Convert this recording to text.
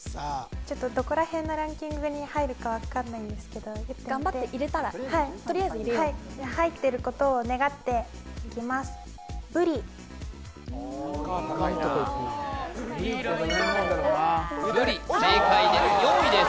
ちょっとどこら辺のランキングに入るかわかんないんですけど頑張って入れたらとりあえず入れようはい入ってることを願っていきます・高いとこいくぶり正解です